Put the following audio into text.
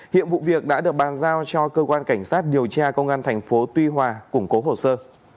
hiện vụ việc đã được bàn giao cho cơ quan cảnh sát điều tra công an thành phố tuy hòa củng cố hồ sơ